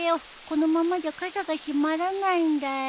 このままじゃ傘が閉まらないんだよ。